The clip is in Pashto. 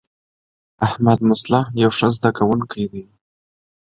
احمدمصلح یو ښه زده کوونکی دی.